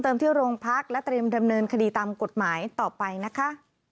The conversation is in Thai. ที่โรงพักและเตรียมดำเนินคดีตามกฎหมายต่อไปนะคะ